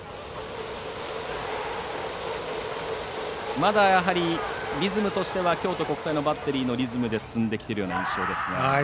まだ、やはりリズムとしては京都国際のバッテリーのリズムで進んできている印象ですが。